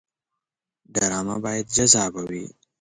ډرامه باید جذابه وي